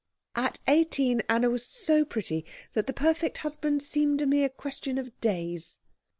At eighteen Anna was so pretty that the perfect husband seemed to be a mere question of days.